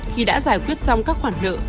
khi đã giải quyết xong các khoản nợ